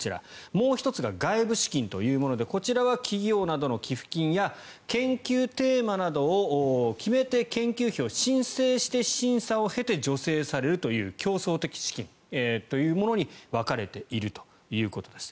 もう１つが外部資金というものでこちらは企業などの寄付金や研究テーマなどを決めて研究費を申請して審査を経て、助成されるという競争的資金というものに分かれているということです。